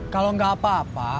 kalau gak apa apa